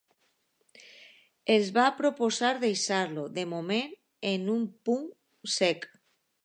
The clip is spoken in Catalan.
Els va proposar deixar-lo, de moment, en un pou sec.